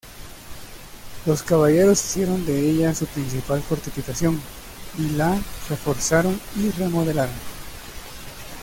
Los Caballeros hicieron de ella su principal fortificación y la reforzaron y remodelaron.